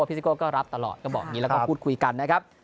ซิโก้ก็รับตลอดก็บอกอย่างนี้แล้วก็พูดคุยกันนะครับ